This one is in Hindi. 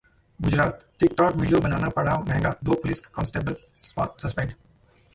गुजरात: TikTok वीडियो बनाना पड़ा महंगा, दो पुलिस कॉन्स्टेबल सस्पेंड